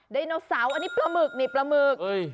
ไดโนเสาร์อันนี้ปลาหมึกนี่ปลาหมึก